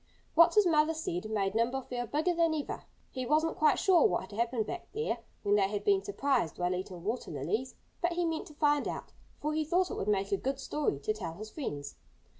What his mother said made Nimble feel bigger than ever. He wasn't quite sure what had happened back there, where they had been surprised while eating water lilies. But he meant to find out, for he thought it would make a good story to tell his friends.